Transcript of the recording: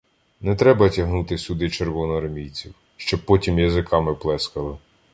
Не треба тягнути сюди червоноармійців, щоб потім язиками плескали.